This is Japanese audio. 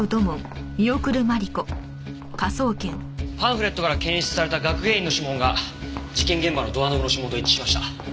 パンフレットから検出された学芸員の指紋が事件現場のドアノブの指紋と一致しました。